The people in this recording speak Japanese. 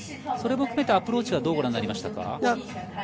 それも含めてアプローチはどうご覧になりましたか？